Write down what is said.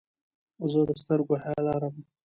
زه د سترګو حیا لرم.